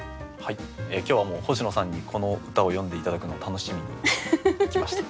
今日は星野さんにこの歌を読んで頂くのを楽しみに来ました。